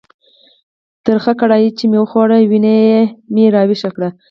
ترخه کړایي چې مې وخوړه، وینه مې را ویښه کړه.